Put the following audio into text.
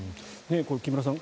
木村さん